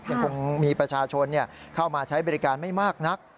ยังคงมีประชาชนเข้ามาใช้บริการไม่มากนัก